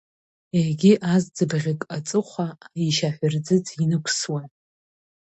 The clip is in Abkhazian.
Егьи азӡыбӷьык аҵыхәа ишьаҳәырӡыӡ инықәсуан.